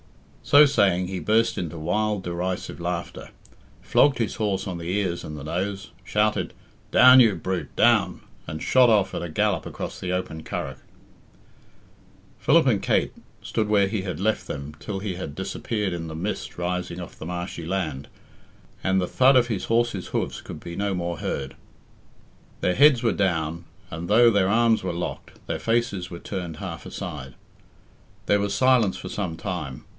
So saying, he burst into wild, derisive laughter, flogged his horse on the ears and the nose, shouted "Down, you brute, down!" and shot off at a gallop across the open Curragh. Philip and Kate stood where he had left them till he had disappeared in the mist rising off the marshy land, and the hud of his horse's hoofs could be no more heard. Their heads were down, and though their arms were locked, their faces were turned half aside. There was silence for some time.